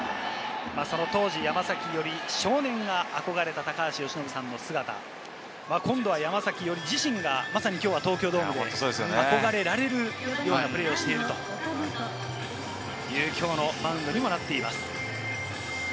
当時、山崎伊織少年が憧れた高橋由伸さんの姿、今度は山崎伊織自身がまさにきょうは東京ドームで憧れられるようなプレーをしているという、きょうのマウンドにもなっています。